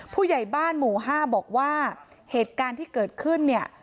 ผู้ใหญ่บ้านหมู่๕บอกว่าเหตุการณ์ที่เกิดขึ้นเนี่ย